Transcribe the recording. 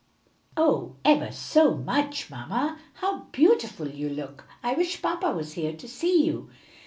"Oh, ever so much! Mamma how beautiful you look! I wish papa was here to see you."